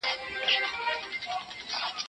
دا د الله تعالی وعده ده.